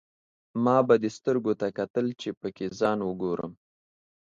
ما به دې سترګو ته کتل، چې پکې ځان وګورم.